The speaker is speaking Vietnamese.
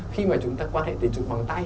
khi mà chúng ta quan hệ tình dục bằng tay